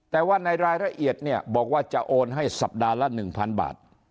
แต่ว่าในรายละเอียดเนี่ยบอกว่าจะโอนให้สัปดาห์ละ๑๐๐บาท